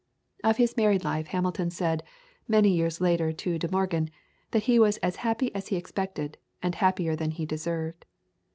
Of his married life Hamilton said, many years later to De Morgan, that it was as happy as he expected, and happier than he deserved.